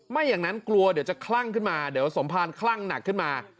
ไม่อย่างนั้นกลัวเดี๋ยวจะคลั่งขึ้นมาเดี๋ยวสมภารคลั่งหนักขึ้นมา